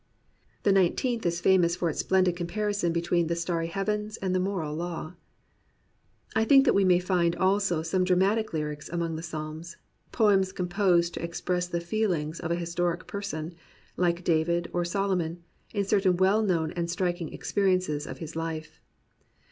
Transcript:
The Nineteenth is famous for its splendid com parison between "the starry heavens and the moral law." I think that we may find also some dramatic lyrics among the Psalms — poems comp>osed to ex press the feelings of an historic person, like David or Solomoli, in certain well known and striking ex periences of his life.